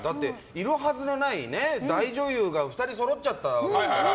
いるはずのない大女優が２人揃っちゃってるから。